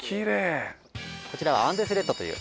こちらはアンデスレッドという。